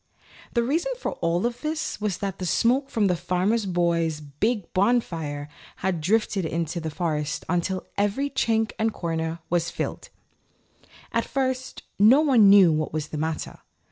The reason for all this was that the smoke from the Farmer Boy's big bonfire had drifted into the forest until every chink and corner was filled. At first no one knew what was the matter.